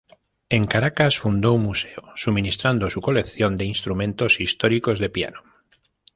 En Caracas fundó un museo suministrando su colección de instrumentos históricos de piano.